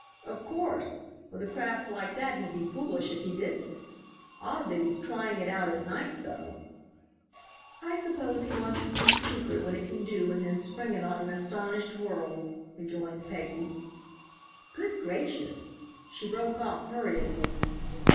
"Of course. With a craft like that he'd be foolish if he didn't. Odd that he's trying it out at night, though." "I suppose he wants to keep secret what it can do and then spring it on an astonished world," rejoined Peggy. "Good gracious!" she broke off hurriedly.